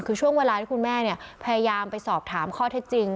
คือช่วงเวลาที่คุณแม่พยายามไปสอบถามข้อเท็จจริง